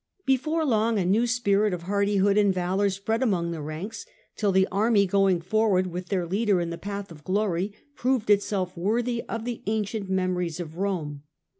Before long a new spirit of hardihood and valour spread among the ranks, till the army, going forward with their leader in the path of glory, proved itself worthy of the ancient memories of Rome.